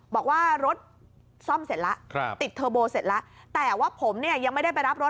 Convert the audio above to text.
บอกว่ารถซ่อมเสร็จแล้วติดเทอร์โบเสร็จแล้วแต่ว่าผมเนี่ยยังไม่ได้ไปรับรถ